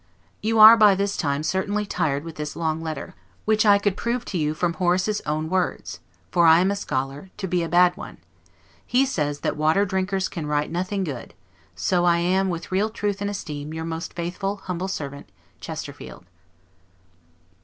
You are, by this time, certainly tired with this long letter, which I could prove to you from Horace's own words (for I am a scholar) to be a bad one; he says, that water drinkers can write nothing good: so I am, with real truth and esteem, your most faithful, humble servant, CHESTERFIELD.